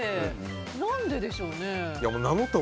何ででしょうね。